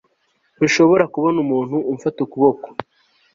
Ntushobora kubona umuntu umfata ukuboko